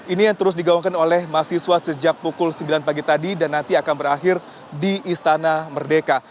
ini yang terus digaungkan oleh mahasiswa sejak pukul sembilan pagi tadi dan nanti akan berakhir di istana merdeka